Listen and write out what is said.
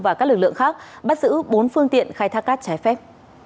và các lực lượng khác bắt giữ bốn phương tiện khai thác cát trái phép